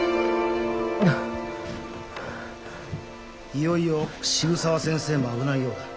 ・いよいよ渋沢先生も危ないようだ。